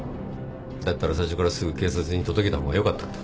だったら最初からすぐ警察に届けた方がよかったんだ